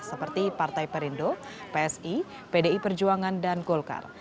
seperti partai perindo psi pdi perjuangan dan golkar